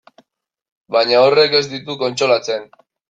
Baina horrek ez ditu kontsolatzen.